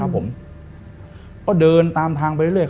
ผมก็เดินตามทางไปเรื่อย